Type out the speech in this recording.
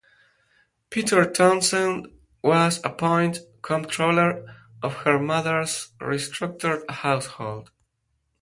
Peter Townsend was appointed Comptroller of her mother's restructured household.